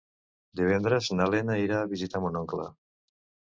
Divendres na Lena irà a visitar mon oncle.